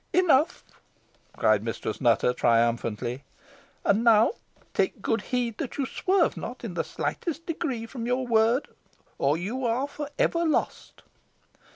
"Enough!" cried Mistress Nutter, triumphantly; "and now take good heed that you swerve not in the slightest degree from your word, or you are for ever lost."